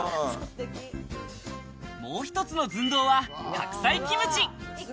もう一つの寸胴は白菜キムチ。